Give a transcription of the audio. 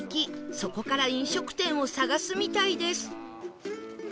そこから飲食店を探すみたいです